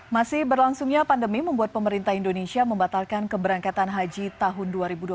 masih berlangsungnya pandemi membuat pemerintah indonesia membatalkan keberangkatan haji tahun dua ribu dua puluh